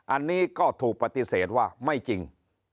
อันนี้ก็ถูกปฏิเสธว่าไม่จริง